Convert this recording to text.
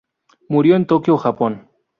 Murió en Tokio, Japón.